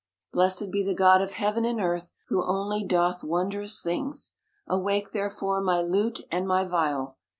Blessed be the God of heaven and earth, who only doth wondrous things. Awake, therefore, my lute and my viol !